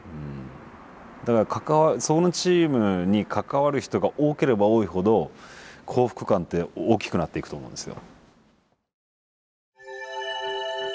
だからそのチームに関わる人が多ければ多いほど幸福感って大きくなっていくと思うんですよ。